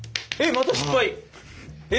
また失敗。え？